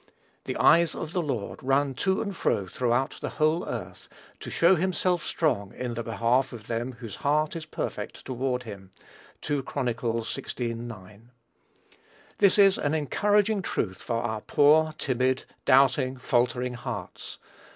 "The eyes of the Lord run to and fro throughout the whole earth, to show himself strong in the behalf of them whose heart is perfect toward him." (2 Chron. xvi. 9.) This is an encouraging truth for our poor, timid, doubting, faltering hearts.